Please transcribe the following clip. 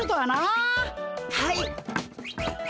はい。